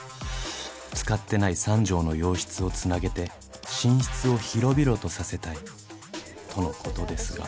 使ってない３帖の洋室をつなげて寝室を広々とさせたいとのことですが。